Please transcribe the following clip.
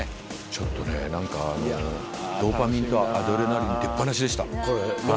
ちょっとね何かドーパミンとアドレナリン出っ放しでした。